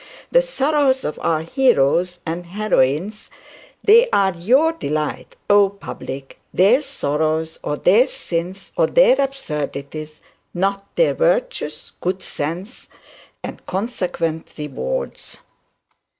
The sorrows of our heroes and heroines, they are you delight, oh public! their sorrows, or their sins, or their absurdities; not their virtues, good sense, and consequent rewards.